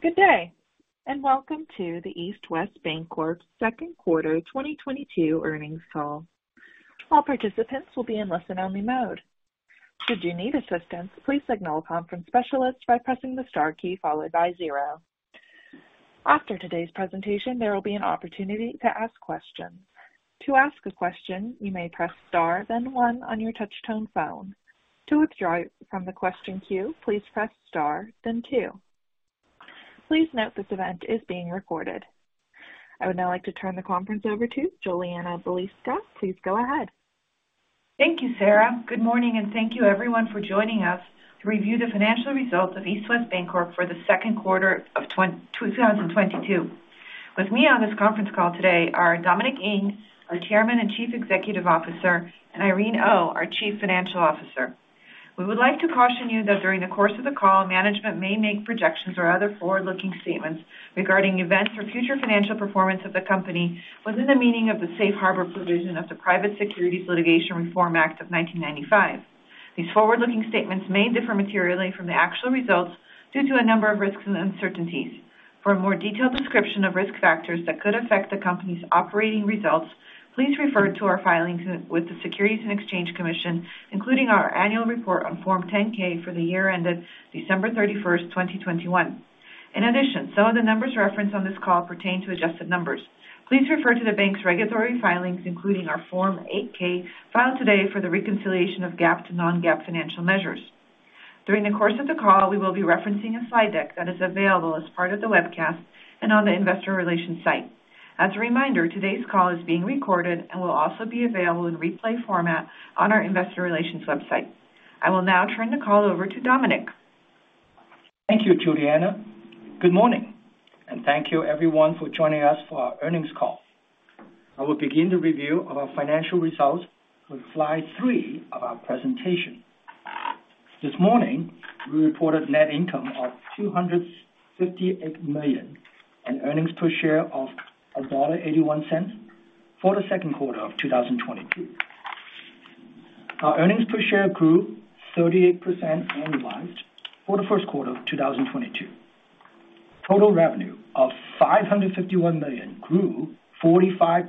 Good day, and welcome to the East West Bancorp second quarter 2022 earnings call. All participants will be in listen-only mode. Should you need assistance, please signal a conference specialist by pressing the star key followed by zero. After today's presentation, there will be an opportunity to ask questions. To ask a question, you may press star then one on your touchtone phone. To withdraw from the question queue, please press star then two. Please note this event is being recorded. I would now like to turn the conference over to Julianna Balicka. Please go ahead. Thank you, Sarah. Good morning and thank you everyone for joining us to review the financial results of East West Bancorp for the second quarter of 2022. With me on this conference call today are Dominic Ng, our Chairman and Chief Executive Officer, and Irene Oh, our Chief Financial Officer. We would like to caution you that during the course of the call, management may make projections or other forward-looking statements regarding events or future financial performance of the company within the meaning of the safe harbor provision of the Private Securities Litigation Reform Act of 1995. These forward-looking statements may differ materially from the actual results due to a number of risks and uncertainties. For a more detailed description of risk factors that could affect the company's operating results, please refer to our filings with the Securities and Exchange Commission, including our annual report on Form 10-K for the year ended December 31st, 2021. In addition, some of the numbers referenced on this call pertain to adjusted numbers. Please refer to the bank's regulatory filings, including our Form 8-K filed today for the reconciliation of GAAP to non-GAAP financial measures. During the course of the call, we will be referencing a slide deck that is available as part of the webcast and on the investor relations site. As a reminder, today's call is being recorded and will also be available in replay format on our investor relations website. I will now turn the call over to Dominic. Thank you, Julianna. Good morning, and thank you everyone for joining us for our earnings call. I will begin the review of our financial results with slide three of our presentation. This morning, we reported net income of $258 million and earnings per share of $1.81 for the second quarter of 2022. Our earnings per share grew 38% annualized for the first quarter of 2022. Total revenue of $551 million grew 45%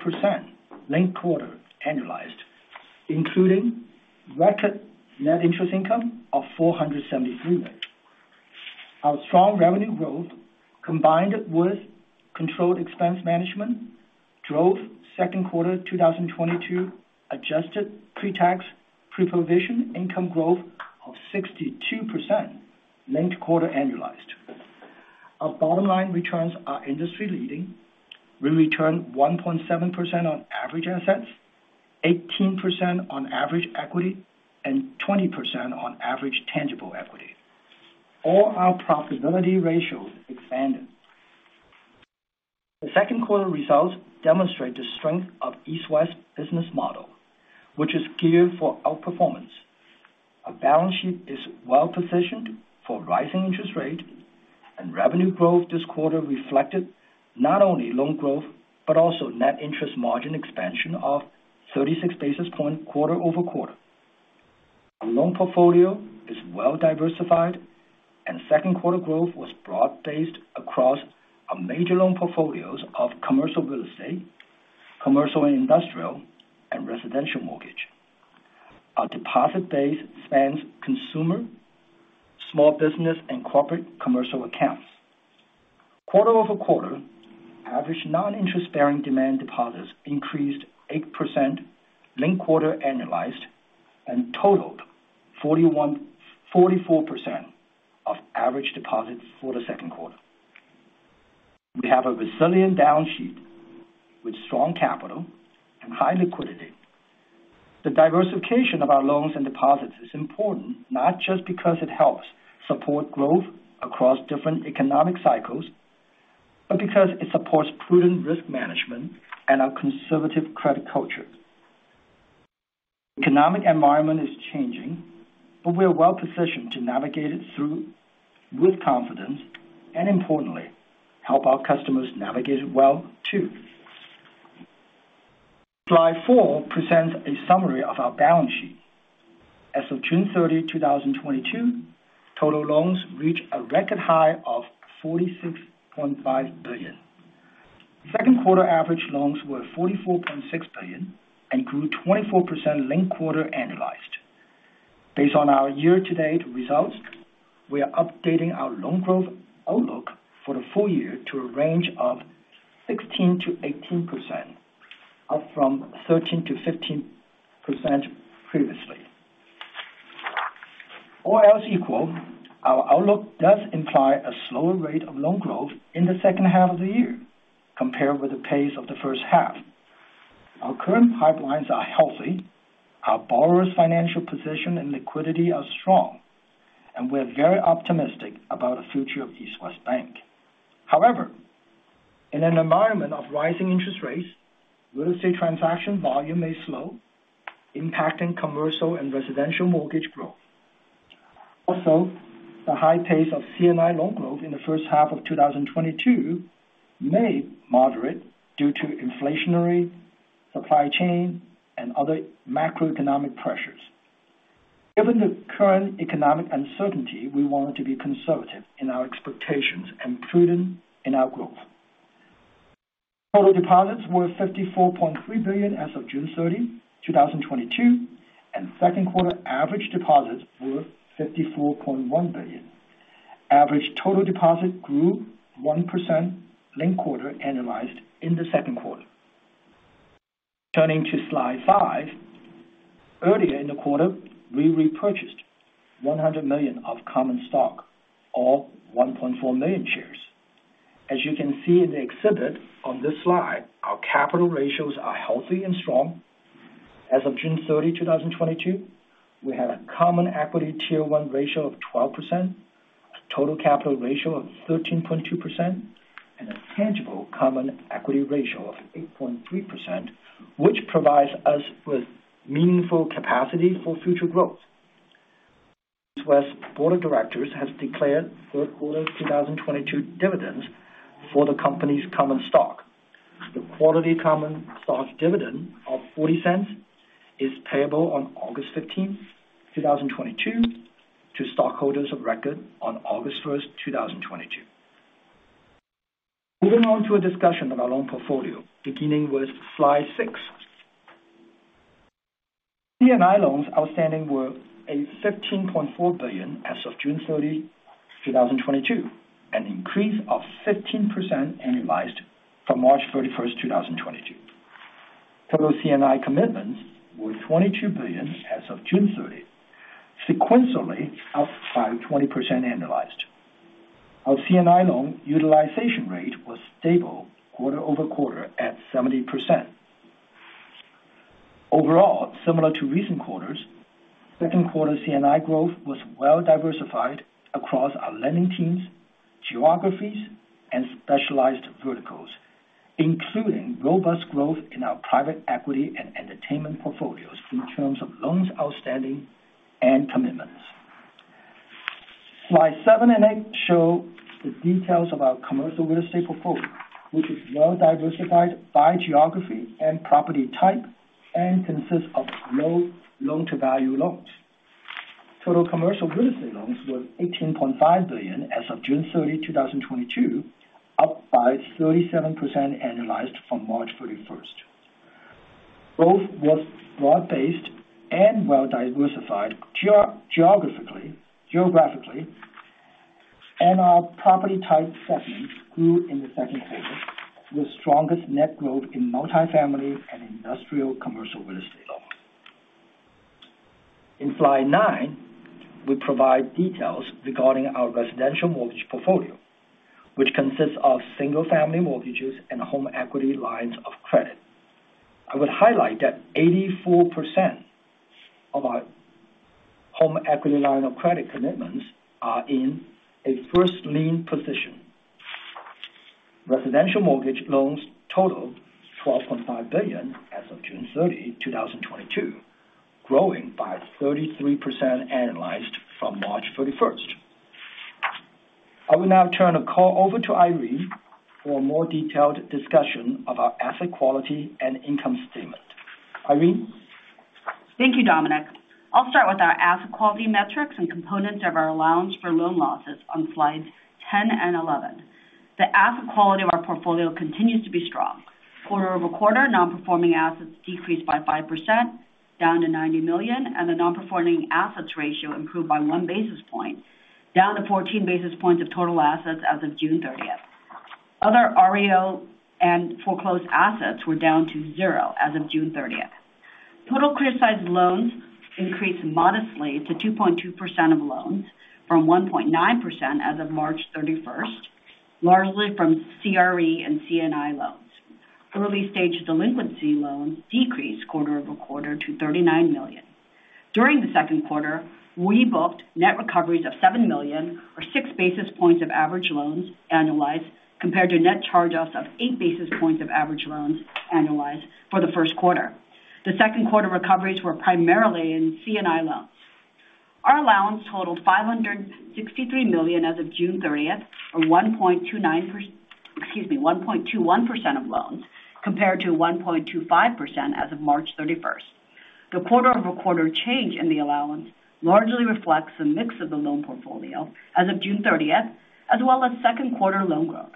linked quarter annualized, including record net interest income of $473 million. Our strong revenue growth, combined with controlled expense management, drove second quarter 2022 adjusted pre-tax, pre-provision income growth of 62% linked quarter annualized. Our bottom line returns are industry-leading. We return 1.7% on average assets, 18% on average equity, and 20% on average tangible equity. All our profitability ratios expanded. The second quarter results demonstrate the strength of East West business model, which is geared for outperformance. Our balance sheet is well-positioned for rising interest rate. Revenue growth this quarter reflected not only loan growth, but also net interest margin expansion of 36 basis points QoQ. Our loan portfolio is well diversified, and second quarter growth was broad-based across our major loan portfolios of commercial real estate, commercial and industrial, and residential mortgage. Our deposit base spans consumer, small business, and corporate commercial accounts. QoQ, average non-interest bearing demand deposits increased 8% linked-quarter annualized and totaled 44% of average deposits for the second quarter. We have a resilient balance sheet with strong capital and high liquidity. The diversification of our loans and deposits is important not just because it helps support growth across different economic cycles, but because it supports prudent risk management and our conservative credit culture. Economic environment is changing, but we are well positioned to navigate it through with confidence and importantly, help our customers navigate it well, too. Slide four presents a summary of our balance sheet. As of June 30, 2022, total loans reach a record high of $46.5 billion. Second-quarter average loans were $44.6 billion and grew 24% linked-quarter annualized. Based on our year-to-date results, we are updating our loan growth outlook for the full year to a range of 16%-18%, up from 13%-15% previously. All else equal, our outlook does imply a slower rate of loan growth in the second half of the year compared with the pace of the first half. Our current pipelines are healthy, our borrowers' financial position and liquidity are strong, and we're very optimistic about the future of East West Bank. However, in an environment of rising interest rates, real estate transaction volume may slow, impacting commercial and residential mortgage growth. Also, the high pace of C&I loan growth in the first half of 2022 may moderate due to inflationary supply chain and other macroeconomic pressures. Given the current economic uncertainty, we want to be conservative in our expectations and prudent in our growth. Total deposits were $54.3 billion as of June 30, 2022, and second quarter average deposits were $54.1 billion. Average total deposits grew 1% linked-quarter annualized in the second quarter. Turning to slide five. Earlier in the quarter, we repurchased $100 million of common stock or 1.4 million shares. As you can see in the exhibit on this slide, our capital ratios are healthy and strong. As of June 30, 2022, we have a common equity tier one ratio of 12%, a total capital ratio of 13.2%, and a tangible common equity ratio of 8.3%, which provides us with meaningful capacity for future growth. East West Board of Directors has declared third quarter 2022 dividends for the company's common stock. The quarterly common stock dividend of $0.40 is payable on August 15, 2022 to stockholders of record on August 1st, 2022. Moving on to a discussion of our loan portfolio, beginning with Slide six. C&I loans outstanding were $15.4 billion as of June 30, 2022, an increase of 15% annualized from March 31st, 2022. Total C&I commitments were $22 billion as of June 30, sequentially up by 20% annualized. Our C&I loan utilization rate was stable QoQ at 70%. Overall, similar to recent quarters, second quarter C&I growth was well diversified across our lending teams, geographies, and specialized verticals, including robust growth in our private equity and entertainment portfolios in terms of loans outstanding and commitments. Slide seven and eight show the details of our commercial real estate portfolio, which is well diversified by geography and property type and consists of low loan-to-value loans. Total commercial real estate loans were $18.5 billion as of June 30, 2022, up by 37% annualized from March 31st. Growth was broad-based and well diversified geographically, and our property type segments grew in the second quarter, with strongest net growth in multifamily and industrial commercial real estate loans. In slide nine, we provide details regarding our residential mortgage portfolio, which consists of single-family mortgages and home equity lines of credit. I would highlight that 84% of our home equity line of credit commitments are in a first lien position. Residential mortgage loans totaled $12.5 billion as of June 30, 2022, growing by 33% annualized from March 31st. I will now turn the call over to Irene for a more detailed discussion of our asset quality and income statement. Irene? Thank you, Dominic. I'll start with our asset quality metrics and components of our allowance for loan losses on slides 10 and 11. The asset quality of our portfolio continues to be strong. QoQ, non-performing assets decreased by 5%, down to $90 million, and the non-performing assets ratio improved by one basis point, down to 14 basis points of total assets as of June 30th. Other REO and foreclosed assets were down to zero as of June 30th. Total criticized loans increased modestly to 2.2% of loans from 1.9% as of March 31st, largely from CRE and C&I loans. Early stage delinquency loans decreased QoQ to $39 million. During the second quarter, we booked net recoveries of $7 million or six basis points of average loans annualized compared to net charge-offs of eight basis points of average loans annualized for the first quarter. The second quarter recoveries were primarily in C&I loans. Our allowance totaled $563 million as of June 30th, or 1.21% of loans, compared to 1.25% as of March 31st. The QoQ change in the allowance largely reflects the mix of the loan portfolio as of June 30th, as well as second quarter loan growth.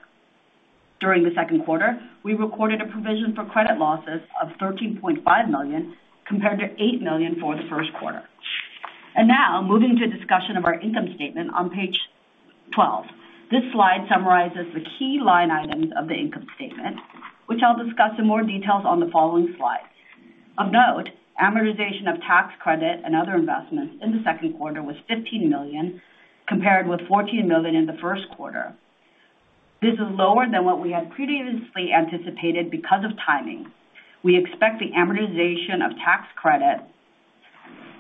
During the second quarter, we recorded a provision for credit losses of $13.5 million, compared to $8 million for the first quarter. Now moving to a discussion of our income statement on page 12. This slide summarizes the key line items of the income statement, which I'll discuss in more details on the following slide. Of note, amortization of tax credit and other investments in the second quarter was $15 million, compared with $14 million in the first quarter. This is lower than what we had previously anticipated because of timing. We expect the amortization of tax credit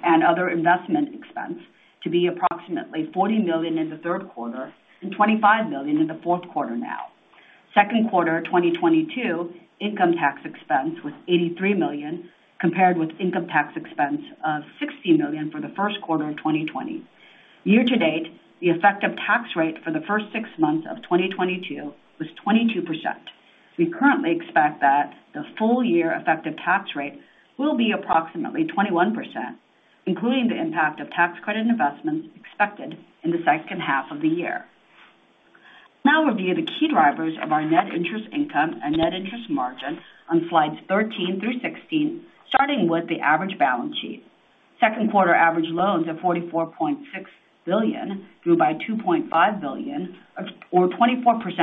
and other investment expense to be approximately $40 million in the third quarter and $25 million in the fourth quarter now. Second quarter 2022 income tax expense was $83 million, compared with income tax expense of $60 million for the first quarter of 2020. Year-to-date, the effective tax rate for the first six months of 2022 was 22%. We currently expect that the full year effective tax rate will be approximately 21%, including the impact of tax credit investments expected in the second half of the year. Now review the key drivers of our net interest income and net interest margin on slides 13 through 16, starting with the average balance sheet. Second quarter average loans of $44.6 billion grew by $2.5 billion or 24%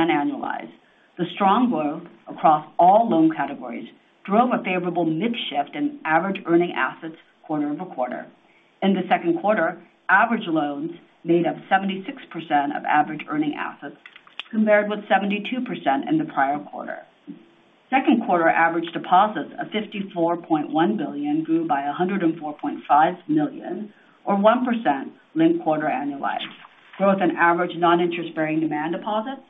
annualized. The strong growth across all loan categories drove a favorable mix shift in average earning assets QoQ. In the second quarter, average loans made up 76% of average earning assets, compared with 72% in the prior quarter. Second quarter average deposits of $54.1 billion grew by $104.5 million or 1% linked-quarter annualized. Growth in average non-interest bearing demand deposits,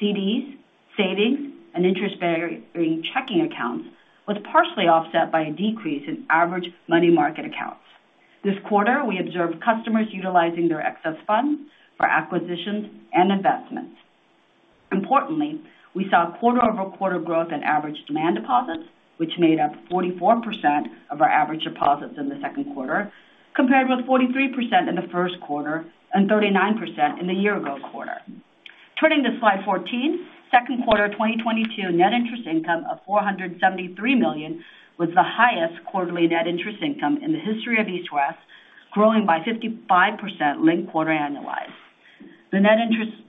CDs, savings, and interest bearing checking accounts was partially offset by a decrease in average money market accounts. This quarter, we observed customers utilizing their excess funds for acquisitions and investments. Importantly, we saw QoQ growth in average demand deposits, which made up 44% of our average deposits in the second quarter, compared with 43% in the first quarter and 39% in the year ago quarter. Turning to slide 14. Second quarter 2022 net interest income of $473 million was the highest quarterly net interest income in the history of East West, growing by 55% linked quarter annualized. The net interest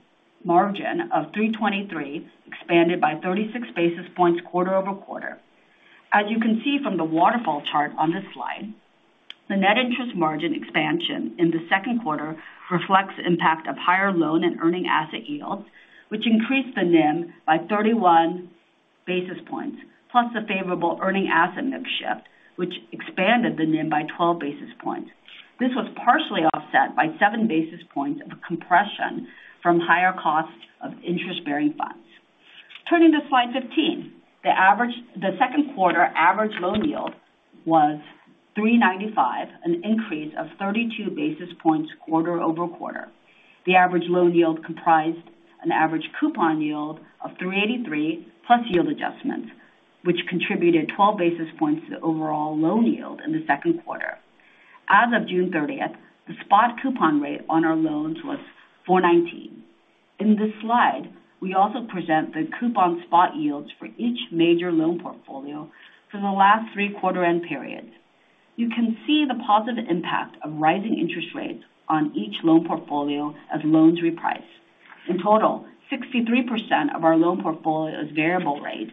margin of 3.23 expanded by 36 basis points QoQ. As you can see from the waterfall chart on this slide, the net interest margin expansion in the second quarter reflects the impact of higher loan and earning asset yields, which increased the NIM by 31 basis points, plus the favorable earning asset NIM shift, which expanded the NIM by 12 basis points. This was partially offset by seven basis points of compression from higher costs of interest-bearing funds. Turning to slide 15. The second quarter average loan yield was 3.95, an increase of 32 basis points QoQ. The average loan yield comprised an average coupon yield of 3.83 plus yield adjustments, which contributed 12 basis points to the overall loan yield in the second quarter. As of June 30, the spot coupon rate on our loans was 4.19. In this slide, we also present the coupon spot yields for each major loan portfolio for the last three quarter end periods. You can see the positive impact of rising interest rates on each loan portfolio as loans reprice. In total, 63% of our loan portfolio is variable rate,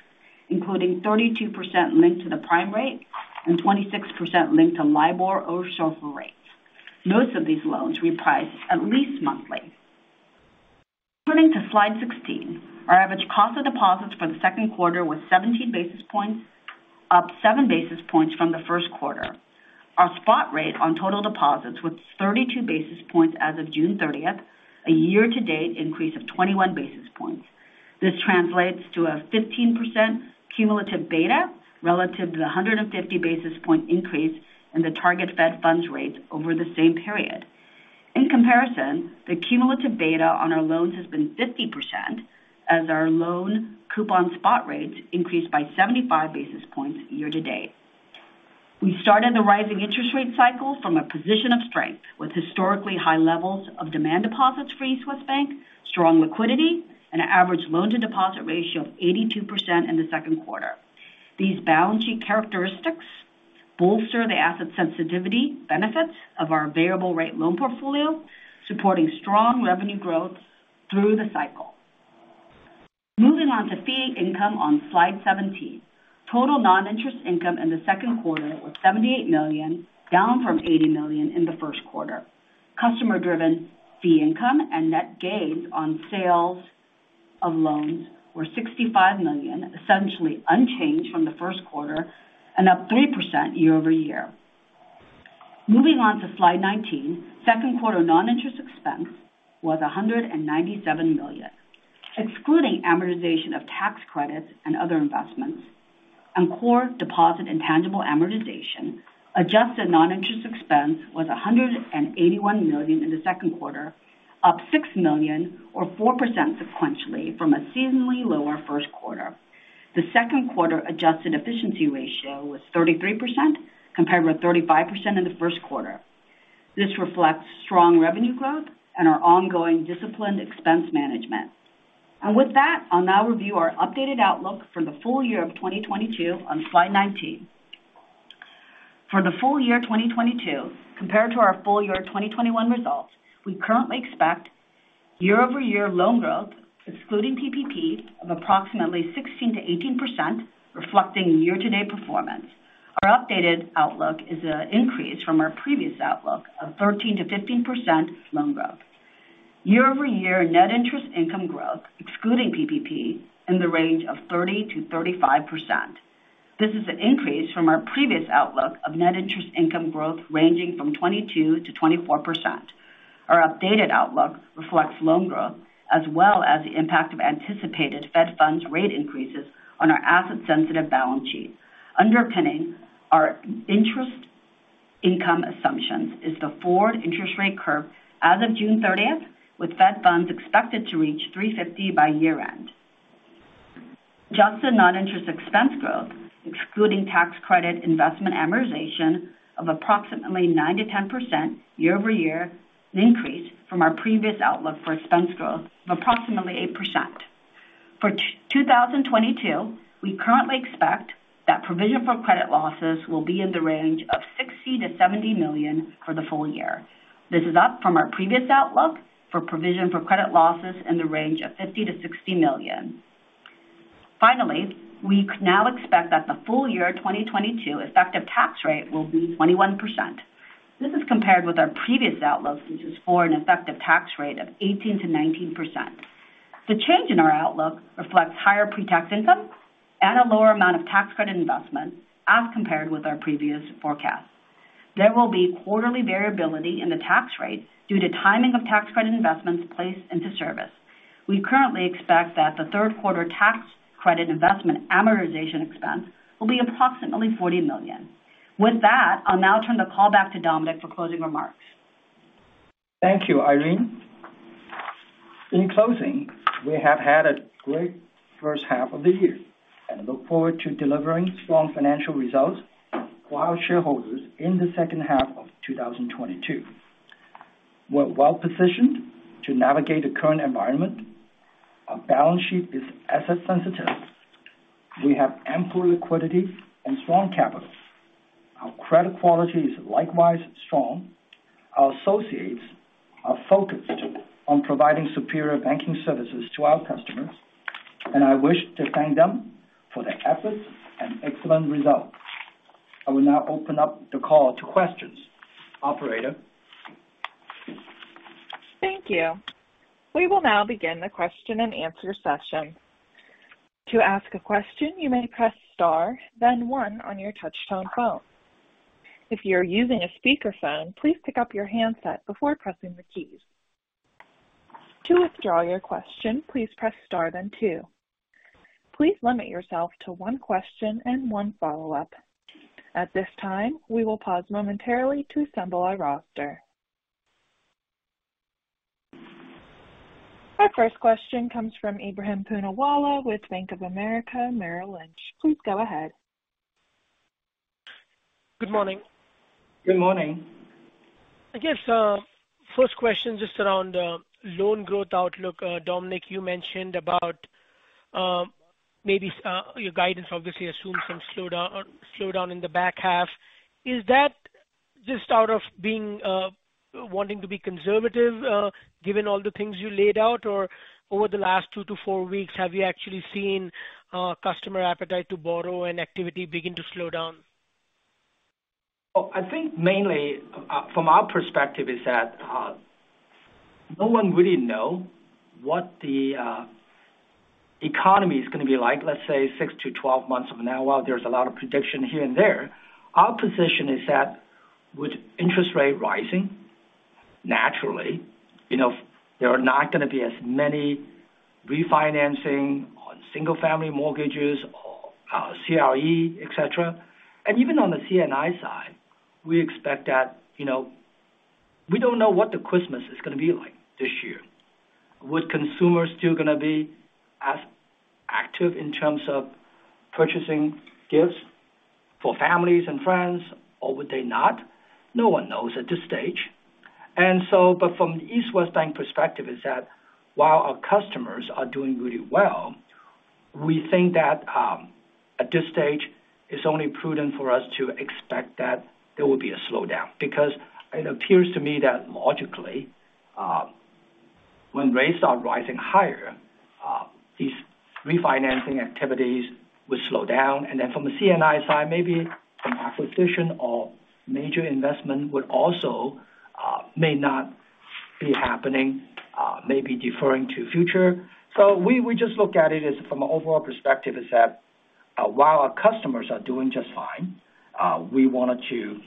including 32% linked to the prime rate and 26% linked to LIBOR or SOFR rates. Most of these loans reprice at least monthly. Turning to slide 16. Our average cost of deposits for the second quarter was 17 basis points, up seven basis points from the first quarter. Our spot rate on total deposits was 32 basis points as of June 30th, a year to date increase of 21 basis points. This translates to a 15% cumulative beta relative to the 150 basis point increase in the target Fed funds rates over the same period. In comparison, the cumulative beta on our loans has been 50% as our loan coupon spot rates increased by 75 basis points year to date. We started the rising interest rate cycle from a position of strength with historically high levels of demand deposits for East West Bank, strong liquidity, and an average loan to deposit ratio of 82% in the second quarter. These balance sheet characteristics bolster the asset sensitivity benefits of our variable rate loan portfolio, supporting strong revenue growth through the cycle. Moving on to fee income on slide 17. Total non-interest income in the second quarter was $78 million, down from $80 million in the first quarter. Customer-driven fee income and net gains on sales of loans were $65 million, essentially unchanged from the first quarter and up 3% YoY. Moving on to slide 19. Second quarter non-interest expense was $197 million. Excluding amortization of tax credits and other investments and core deposit intangible amortization, adjusted non-interest expense was $181 million in the second quarter, up $6 million or 4% sequentially from a seasonally lower first quarter. The second quarter adjusted efficiency ratio was 33% compared with 35% in the first quarter. This reflects strong revenue growth and our ongoing disciplined expense management. With that, I'll now review our updated outlook for the full year of 2022 on slide 19. For the full year 2022, compared to our full year 2021 results, we currently expect YoY loan growth excluding PPP of approximately 16%-18%, reflecting year-to-date performance. Our updated outlook is an increase from our previous outlook of 13%-15% loan growth. YoY net interest income growth excluding PPP in the range of 30%-35%. This is an increase from our previous outlook of net interest income growth ranging from 22%-24%. Our updated outlook reflects loan growth as well as the impact of anticipated Fed funds rate increases on our asset-sensitive balance sheet. Underpinning our interest income assumptions is the forward interest rate curve as of June 30th, with Fed funds expected to reach 3.50 by year-end. Just the non-interest expense growth, excluding tax credit investment amortization of approximately 9%-10% YoY increase from our previous outlook for expense growth of approximately 8%. For 2022, we currently expect that provision for credit losses will be in the range of $60 million-$70 million for the full year. This is up from our previous outlook for provision for credit losses in the range of $50 million-$60 million. Finally, we now expect that the full year 2022 effective tax rate will be 21%. This is compared with our previous outlook, which was for an effective tax rate of 18%-19%. The change in our outlook reflects higher pre-tax income and a lower amount of tax credit investment as compared with our previous forecast. There will be quarterly variability in the tax rate due to timing of tax credit investments placed into service. We currently expect that the third quarter tax credit investment amortization expense will be approximately $40 million. With that, I'll now turn the call back to Dominic for closing remarks. Thank you, Irene. In closing, we have had a great first half of the year and look forward to delivering strong financial results for our shareholders in the second half of 2022. We're well positioned to navigate the current environment. Our balance sheet is asset sensitive. We have ample liquidity and strong capital. Our credit quality is likewise strong. Our associates are focused on providing superior banking services to our customers, and I wish to thank them for their efforts and excellent results. I will now open up the call to questions. Operator? Thank you. We will now begin the question-and-answer session. To ask a question, you may press star then one on your touchtone phone. If you're using a speakerphone, please pick up your handset before pressing the keys. To withdraw your question, please press star then two. Please limit yourself to one question and one follow-up. At this time, we will pause momentarily to assemble our roster. Our first question comes from Ebrahim Poonawala with Bank of America Merrill Lynch. Please go ahead. Good morning. Good morning. I guess, first question just around the loan growth outlook. Dominic, you mentioned about, maybe your guidance obviously assumes some slowdown in the back half. Is that just out of being wanting to be conservative, given all the things you laid out? Or over the last two-four weeks, have you actually seen customer appetite to borrow and activity begin to slow down? I think mainly from our perspective is that, no one really knows what the economy is gonna be like, let's say, six-12 months from now, while there's a lot of prediction here and there. Our position is that with interest rate rising, naturally, you know, there are not gonna be as many refinancing on single family mortgages or, CRE, et cetera. Even on the C&I side, we expect that, you know, we don't know what the Christmas is gonna be like this year. Would consumers still gonna be as active in terms of purchasing gifts for families and friends, or would they not? No one knows at this stage. From the East West Bank perspective, while our customers are doing really well, we think that at this stage, it's only prudent for us to expect that there will be a slowdown. Because it appears to me that logically, when rates are rising higher, these refinancing activities will slow down. From the C&I side, maybe an acquisition or major investment would also may not be happening, maybe deferring to future. We just look at it as from an overall perspective that while our customers are doing just fine, we wanted to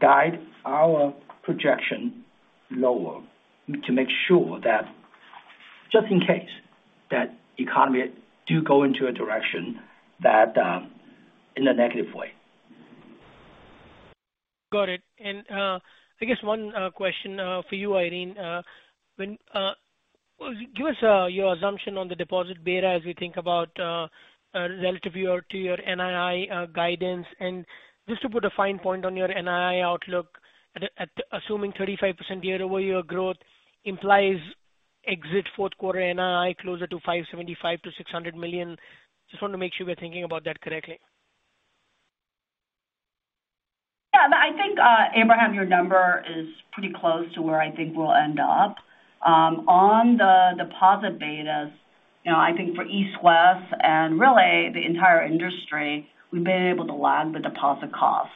guide our projection lower to make sure that just in case that economy do go into a direction in a negative way. Got it. I guess one question for you, Irene. When will you give us your assumption on the deposit beta as we think about relative view to your NII guidance? Just to put a fine point on your NII outlook, assuming 35% YoY growth implies exit fourth quarter NII closer to $575 million-$600 million. Just want to make sure we're thinking about that correctly. Yeah. I think, Ebrahim, your number is pretty close to where I think we'll end up. On the deposit betas, you know, I think for East West and really the entire industry, we've been able to lag the deposit cost.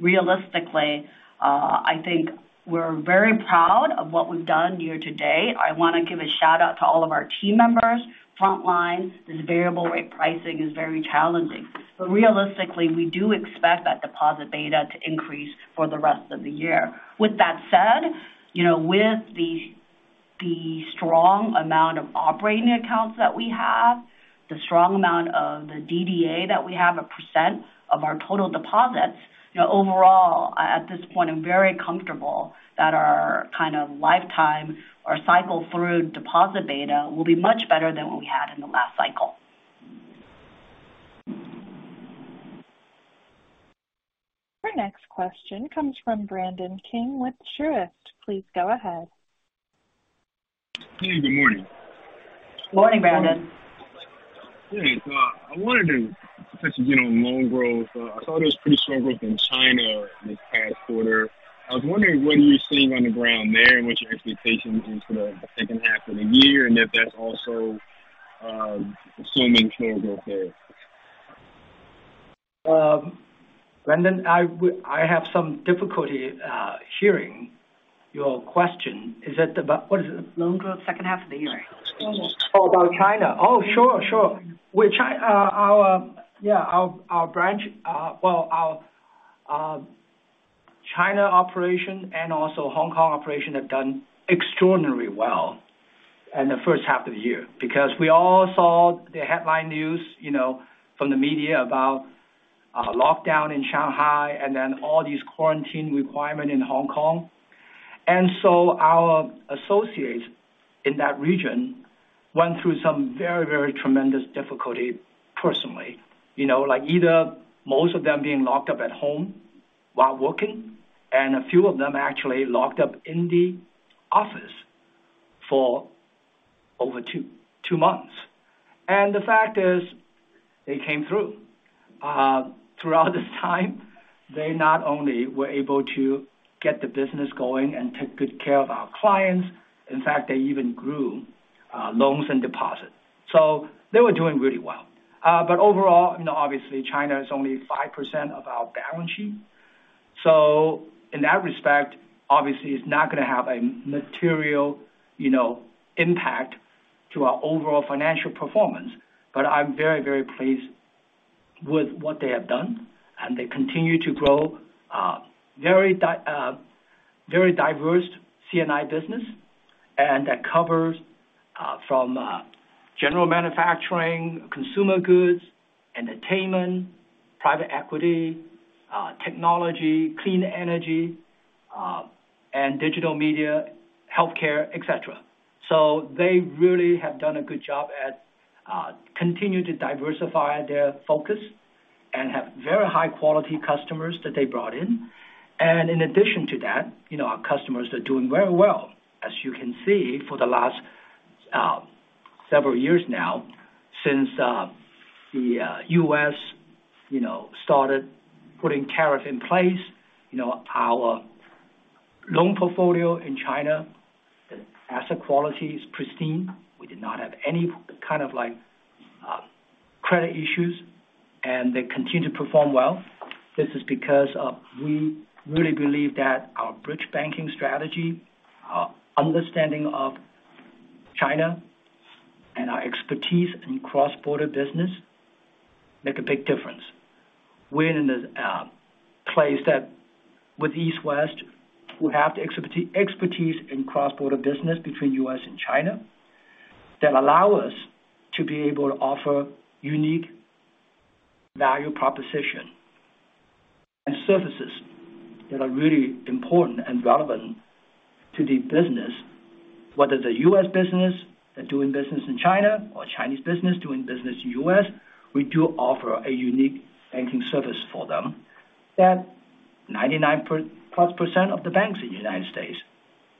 Realistically, I think we're very proud of what we've done year to date. I wanna give a shout out to all of our team members, front lines. This variable rate pricing is very challenging. Realistically, we do expect that deposit beta to increase for the rest of the year. With that said, you know, the strong amount of the DDA that we have as a percent of our total deposits. You know, overall, at this point I'm very comfortable that our kind of lifetime or cycle through deposit data will be much better than what we had in the last cycle. Our next question comes from Brandon King with Truist. Please go ahead. Hey, good morning. Morning, Brandon. Thanks. I wanted to touch again on loan growth. I saw it was pretty strong growth in China this past quarter. I was wondering what are you seeing on the ground there and what's your expectation into the second half of the year, and if that's also assuming true growth there. Brandon, I have some difficulty hearing your question. Is it about what is it? Loan growth second half of the year. China. Oh, about China. Oh, sure. With our branch, well, our China operation and also Hong Kong operation have done extraordinarily well in the first half of the year because we all saw the headline news, you know, from the media about a lockdown in Shanghai and then all these quarantine requirement in Hong Kong. Our associates in that region went through some very tremendous difficulty personally. You know, like either most of them being locked up at home while working, and a few of them actually locked up in the office for over two months. The fact is they came through. Throughout this time, they not only were able to get the business going and take good care of our clients, in fact, they even grew loans and deposits. They were doing really well. Overall, you know, obviously China is only 5% of our balance sheet. In that respect, obviously it's not gonna have a material, you know, impact to our overall financial performance. I'm very pleased with what they have done, and they continue to grow very diverse C&I business. That covers from general manufacturing, consumer goods, entertainment, private equity, technology, clean energy, and digital media, healthcare, et cetera. They really have done a good job at continuing to diversify their focus and have very high quality customers that they brought in. In addition to that, you know, our customers are doing very well. As you can see, for the last several years now since the U.S., you know, started putting tariff in place, you know, our loan portfolio in China, the asset quality is pristine. We did not have any kind of like credit issues, and they continue to perform well. This is because of we really believe that our bridge banking strategy, our understanding of China, and our expertise in cross-border business make a big difference. We're in a place that with East West, we have the expertise in cross-border business between U.S. and China that allow us to be able to offer unique value proposition and services that are really important and relevant to the business. Whether it's a U.S. business that's doing business in China or a Chinese business doing business in the U.S., we do offer a unique banking service for them that 99+% of the banks in the United States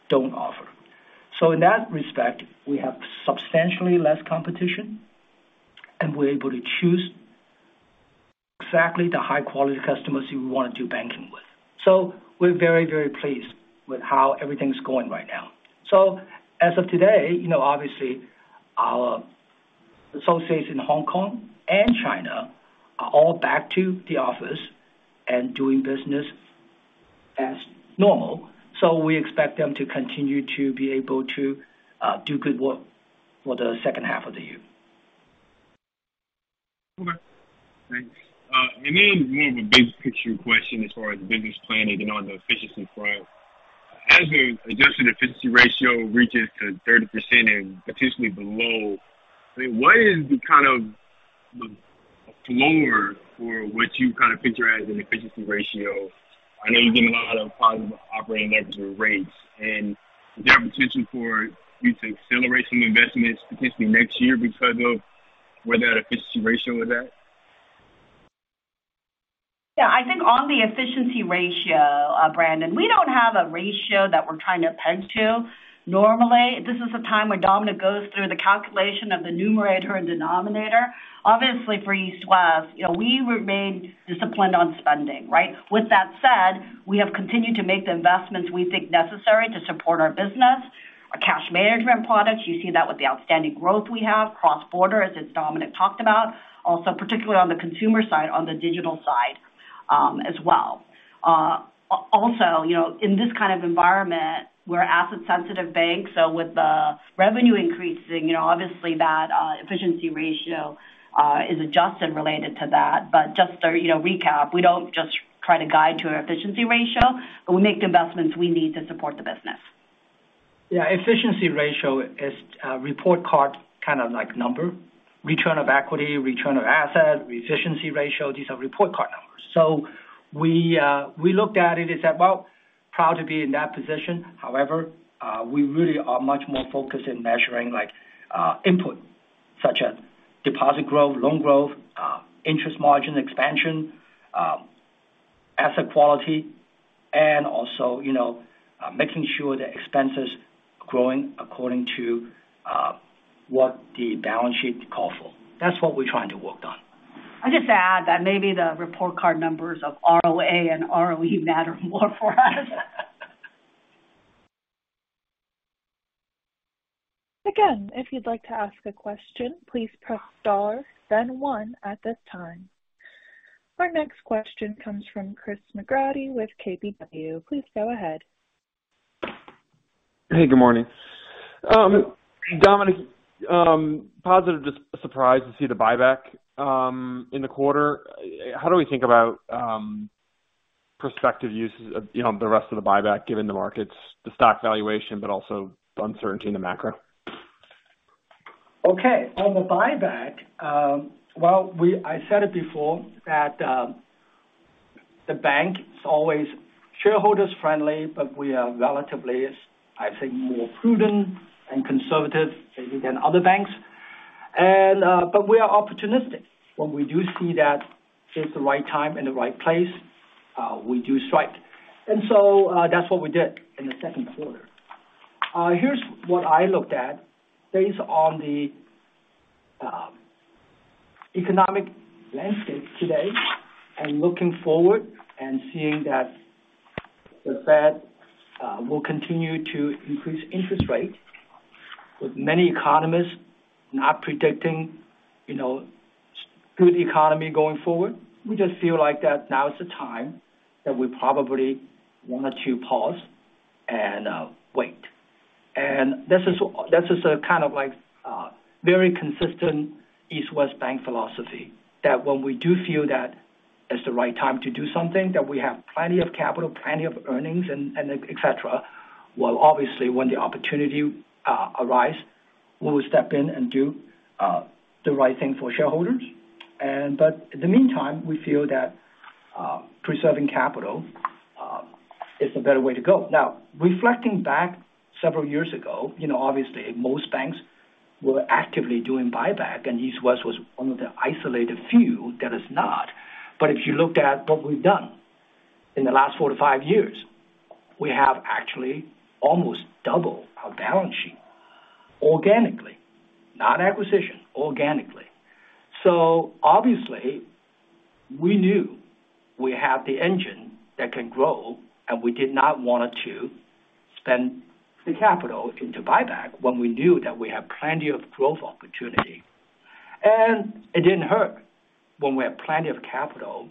don't offer. In that respect, we have substantially less competition, and we're able to choose exactly the high quality customers who we wanna do banking with. We're very, very pleased with how everything's going right now. As of today, you know, obviously our associates in Hong Kong and China are all back to the office and doing business as normal. We expect them to continue to be able to do good work for the second half of the year. Okay. Thanks. more of a big picture question as far as the business plan and on the efficiency front. As the adjusted efficiency ratio reaches to 30% and potentially below, I mean, what is the kind of the floor for what you kind of picture as an efficiency ratio? I know you're getting a lot of positive operating leverage with rates. is there a potential for you to accelerate some investments potentially next year because of where that efficiency ratio is at? Yeah. I think on the efficiency ratio, Brandon, we don't have a ratio that we're trying to peg to. Normally, this is a time where Dominic goes through the calculation of the numerator and denominator. Obviously for East West, you know, we remain disciplined on spending, right? With that said, we have continued to make the investments we think necessary to support our business. Our cash management products, you see that with the outstanding growth we have. Cross-border, as Dominic talked about. Also particularly on the consumer side, on the digital side, as well. Also, you know, in this kind of environment, we're an asset sensitive bank, so with the revenue increasing, you know, obviously that, efficiency ratio, is adjusted related to that. just to, you know, recap, we don't just try to guide to our efficiency ratio, but we make the investments we need to support the business. Yeah, efficiency ratio is a report card kind of like number. Return on equity, return on assets, efficiency ratio, these are report card numbers. We looked at it and said, "Well, proud to be in that position." However, we really are much more focused in measuring like, input such as deposit growth, loan growth, interest margin expansion, asset quality, and also, you know, making sure the expense is growing according to, what the balance sheet call for. That's what we're trying to work on. I'll just add that maybe the report card numbers of ROA and ROE matter more for us. Again, if you'd like to ask a question, please press star then one at this time. Our next question comes from Chris McGratty with KBW. Please go ahead. Hey, good morning. Dominic, positively surprised to see the buyback in the quarter. How do we think about prospective uses of, you know, the rest of the buyback given the markets, the stock valuation, but also uncertainty in the macro? Okay. On the buyback, I said it before that, the bank is always shareholders friendly, but we are relatively, I'd say, more prudent and conservative maybe than other banks. We are opportunistic. When we do see that it's the right time and the right place, we do strike. That's what we did in the second quarter. Here's what I looked at. Based on the economic landscape today and looking forward and seeing that the Fed will continue to increase interest rates, with many economists not predicting, you know, good economy going forward, we just feel like that now is the time that we probably want to pause and wait. This is a kind of like very consistent East West Bank philosophy, that when we do feel that it's the right time to do something, that we have plenty of capital, plenty of earnings and et cetera, well, obviously when the opportunity arise, we will step in and do the right thing for shareholders. In the meantime, we feel that preserving capital is the better way to go. Now, reflecting back several years ago, you know, obviously most banks were actively doing buyback, and East West Bank was one of the isolated few that is not. If you looked at what we've done in the last 45 years, we have actually almost double our balance sheet organically. Not acquisition, organically. Obviously we knew we have the engine that can grow, and we did not want to spend the capital into buyback when we knew that we have plenty of growth opportunity. It didn't hurt when we had plenty of capital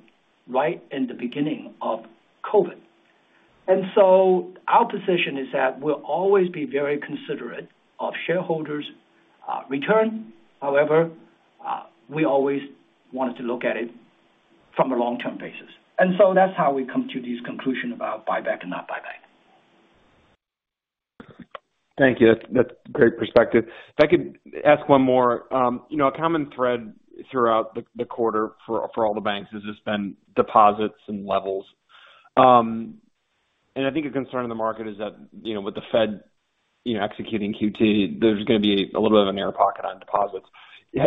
right in the beginning of COVID. Our position is that we'll always be very considerate of shareholders', return. However, we always wanted to look at it from a long-term basis. That's how we come to this conclusion about buyback and not buyback. Thank you. That's great perspective. If I could ask one more. You know, a common thread throughout the quarter for all the banks has just been deposits and levels. I think a concern in the market is that, you know, with the Fed, you know, executing QT, there's gonna be a little bit of an air pocket on deposits.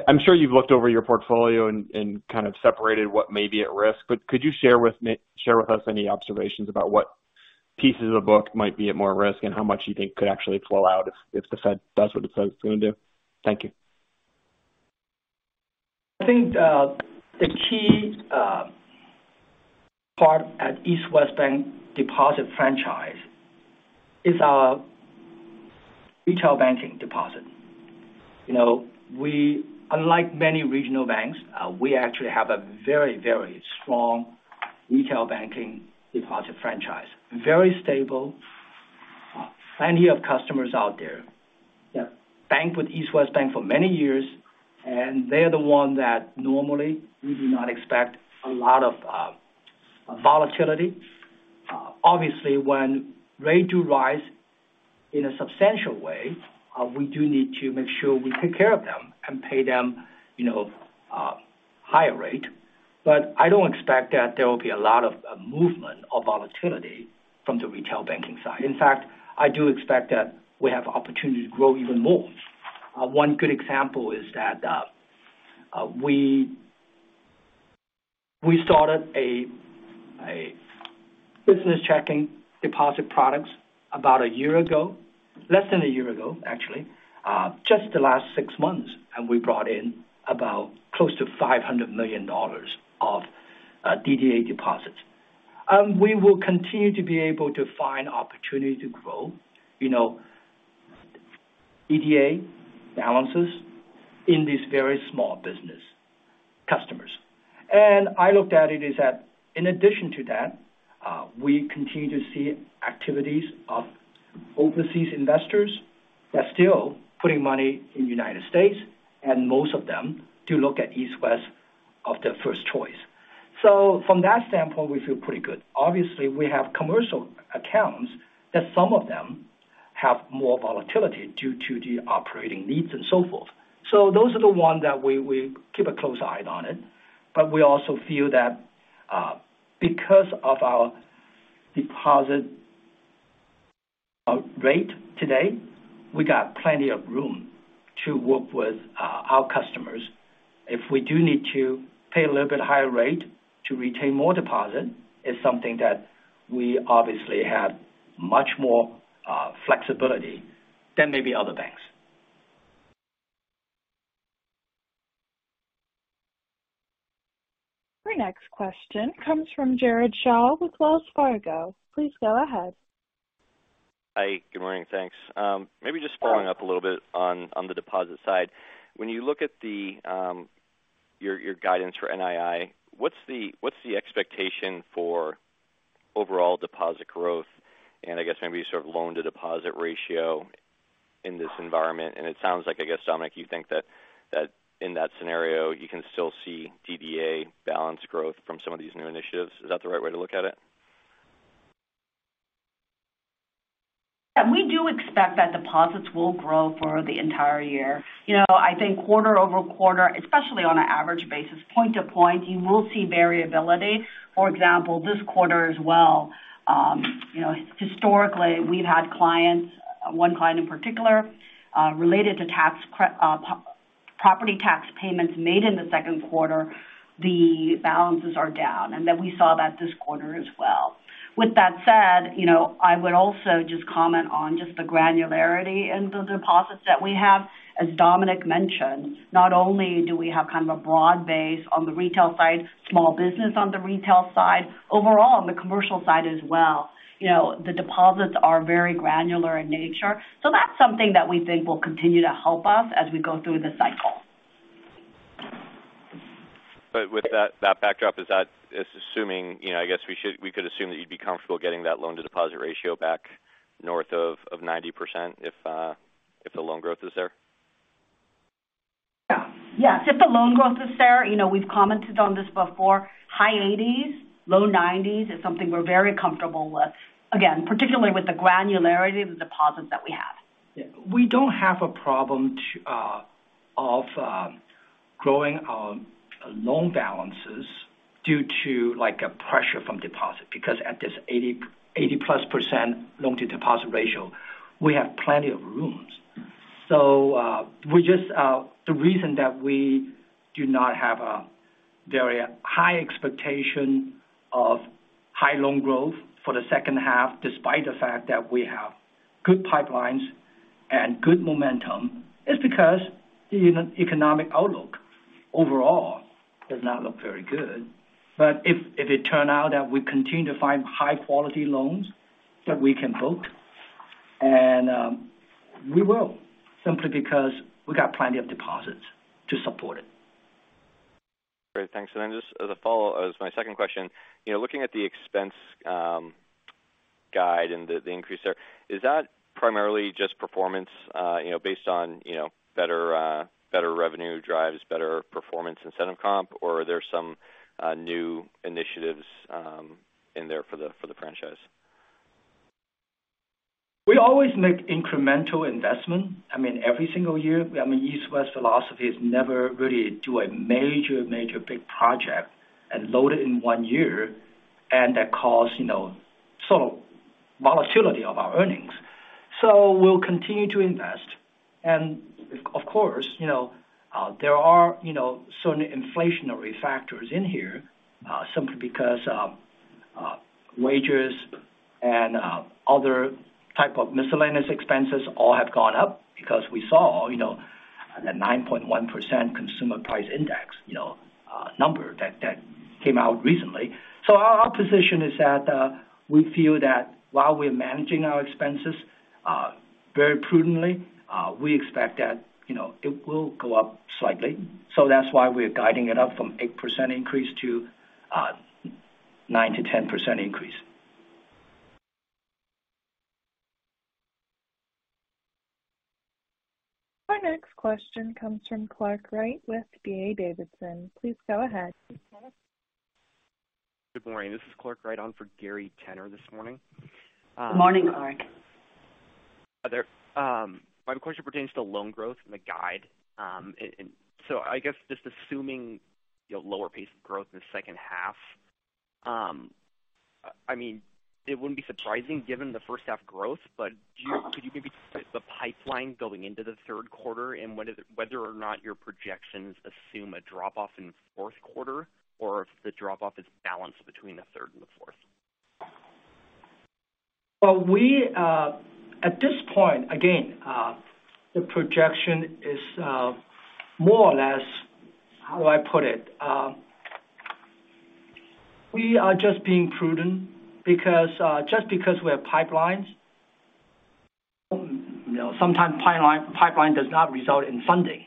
I'm sure you've looked over your portfolio and kind of separated what may be at risk, but could you share with us any observations about what pieces of the book might be at more risk and how much you think could actually flow out if the Fed does what the Fed is gonna do? Thank you. I think the key part at East West Bank deposit franchise is our retail banking deposit. You know, unlike many regional banks, we actually have a very, very strong retail banking deposit franchise. Very stable, plenty of customers out there that bank with East West Bank for many years, and they're the one that normally we do not expect a lot of volatility. Obviously, when rates do rise in a substantial way, we do need to make sure we take care of them and pay them, you know, a higher rate. But I don't expect that there will be a lot of movement or volatility from the retail banking side. In fact, I do expect that we have opportunity to grow even more. One good example is that we started a business checking deposit products about a year ago, less than a year ago, actually. Just the last six months, we brought in about close to $500 million of DDA deposits. We will continue to be able to find opportunity to grow, you know, DDA balances in these very small business customers. I look at it as that in addition to that, we continue to see activities of overseas investors. That's still putting money in United States, and most of them do look at East West as their first choice. From that standpoint, we feel pretty good. Obviously, we have commercial accounts that some of them have more volatility due to the operating needs and so forth. Those are the ones that we keep a close eye on it. We also feel that, because of our deposit rate today, we got plenty of room to work with our customers. If we do need to pay a little bit higher rate to retain more deposit, it's something that we obviously have much more flexibility than maybe other banks. Our next question comes from Jared Shaw with Wells Fargo. Please go ahead. Hi. Good morning. Thanks. Maybe just following up a little bit on the deposit side. When you look at your guidance for NII, what's the expectation for overall deposit growth? I guess maybe sort of loan-to-deposit ratio in this environment. It sounds like, I guess, Dominic, you think that in that scenario, you can still see DDA balance growth from some of these new initiatives. Is that the right way to look at it? Yeah, we do expect that deposits will grow for the entire year. You know, I think QoQ, especially on an average basis, point to point, you will see variability. For example, this quarter as well, you know, historically, we've had clients, one client in particular, related to property tax payments made in the second quarter, the balances are down, and then we saw that this quarter as well. With that said, you know, I would also just comment on just the granularity in the deposits that we have. As Dominic mentioned, not only do we have kind of a broad base on the retail side, small business on the retail side, overall on the commercial side as well, you know, the deposits are very granular in nature. That's something that we think will continue to help us as we go through the cycle. With that backdrop, is that assuming, you know, I guess we could assume that you'd be comfortable getting that loan-to-deposit ratio back north of 90% if the loan growth is there? Yeah. Yes, if the loan growth is there, you know, we've commented on this before, high 80s, low 90s is something we're very comfortable with. Again, particularly with the granularity of the deposits that we have. Yeah. We don't have a problem growing our loan balances due to, like, a pressure from deposit because at this 80%+ loan-to-deposit ratio, we have plenty of room. The reason that we do not have a very high expectation of high loan growth for the second half, despite the fact that we have good pipelines and good momentum, is because the economic outlook overall does not look very good. If it turns out that we continue to find high quality loans that we can book, and we will, simply because we got plenty of deposits to support it. Great. Thanks. Just as a follow-up as my second question. You know, looking at the expense guide and the increase there, is that primarily just performance, you know, based on, you know, better revenue drives better performance instead of comp, or are there some new initiatives in there for the franchise? We always make incremental investment. I mean, every single year. I mean, East West philosophy is never really do a major big project and load it in one year, and that cause, you know, sort of volatility of our earnings. We'll continue to invest. Of course, you know, there are, you know, certain inflationary factors in here, simply because, wages and, other type of miscellaneous expenses all have gone up because we saw, you know, the 9.1% consumer price index, you know, number that came out recently. Our position is that, we feel that while we're managing our expenses, very prudently, we expect that, you know, it will go up slightly. That's why we're guiding it up from 8% increase to, 9%-10% increase. Our next question comes from Clark Wright with D.A. Davidson. Please go ahead. Good morning. This is Clark Wright on for Gary Tenner this morning. Good morning, Clark. Hi there. My question pertains to loan growth and the guide. I guess just assuming, you know, lower pace of growth in the second half, I mean, it wouldn't be surprising given the first half growth, but could you maybe describe the pipeline going into the third quarter and whether or not your projections assume a drop-off in the fourth quarter or if the drop-off is balanced between the third and the fourth? Well, we at this point, again, the projection is more or less, how do I put it? We are just being prudent because just because we have pipelines, you know, sometimes pipeline does not result in funding.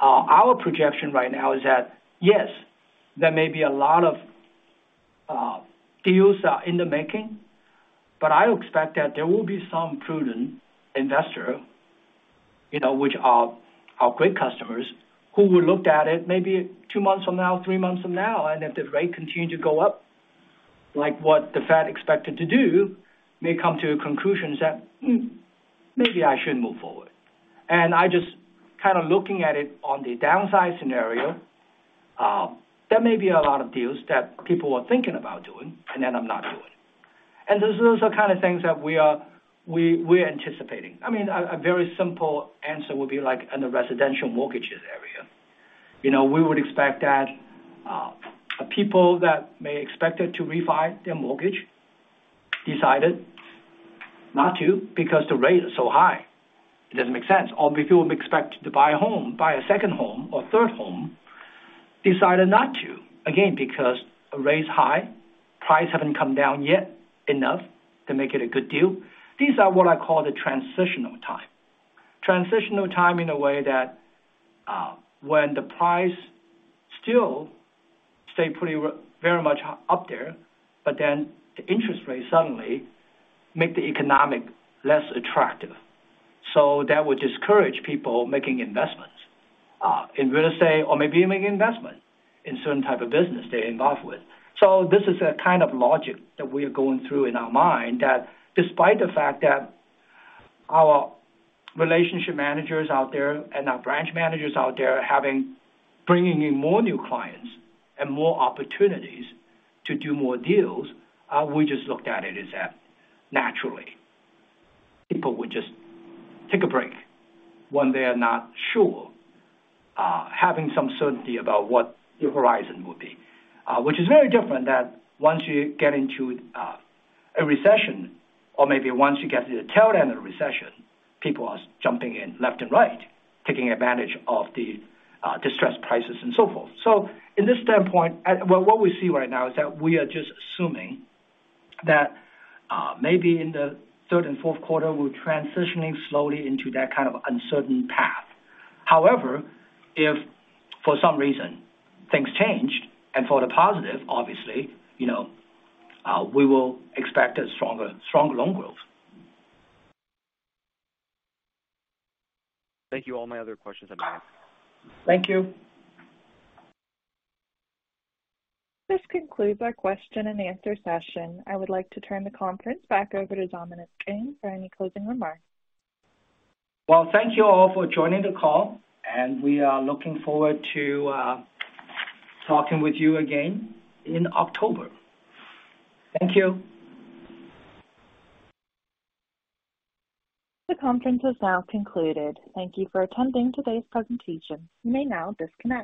Our projection right now is that, yes, there may be a lot of deals are in the making, but I expect that there will be some prudent investor, you know, which are our great customers, who will look at it maybe two months from now, three months from now, and if the rate continue to go up, like what the Fed expected to do, may come to conclusions that maybe I should move forward. I just kind of looking at it on the downside scenario, there may be a lot of deals that people were thinking about doing and then end up not doing. Those are also kind of things that we're anticipating. I mean, a very simple answer would be like in the residential mortgages area. You know, we would expect that people that may expected to refi their mortgage decided not to because the rate is so high, it doesn't make sense. Or if you would expect to buy a home, buy a second home or third home, decided not to, again, because the rate's high, price haven't come down yet enough to make it a good deal. These are what I call the transitional time. Transitional time in a way that, when the price still stay pretty very much up there, but then the interest rate suddenly make the economic less attractive. That would discourage people making investments in real estate or maybe making investment in certain type of business they're involved with. This is a kind of logic that we're going through in our mind that despite the fact that our relationship managers out there and our branch managers out there are bringing in more new clients and more opportunities to do more deals, we just looked at it as that naturally people would just take a break when they're not sure having some certainty about what the horizon will be. Which is very different than once you get into a recession or maybe once you get to the tail end of the recession, people are jumping in left and right, taking advantage of the distressed prices and so forth. In this standpoint, what we see right now is that we are just assuming that maybe in the third and fourth quarter we're transitioning slowly into that kind of uncertain path. However, if for some reason things changed and for the positive, obviously, you know, we will expect strong loan growth. Thank you. All my other questions have been asked. Thank you. This concludes our question and answer session. I would like to turn the conference back over to Dominic Ng for any closing remarks. Well, thank you all for joining the call, and we are looking forward to talking with you again in October. Thank you. The conference is now concluded. Thank you for attending today's presentation. You may now disconnect.